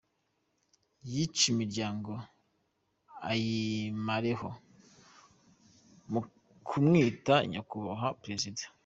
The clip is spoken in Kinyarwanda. Yice imiryango ayibamareho, mukimwita nyakubahwa perezida?